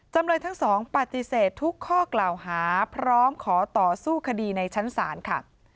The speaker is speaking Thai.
จำเลยทั้งสองปฏิเสธทุกข้อกล่าวหาพร้อมขอต่อสู้คดีในชั้นศาลค่ะ